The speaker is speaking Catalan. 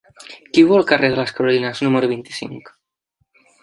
Qui viu al carrer de les Carolines número vint-i-cinc?